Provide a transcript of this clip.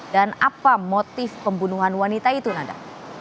dan apa motif pembunuhan wanita itu nanda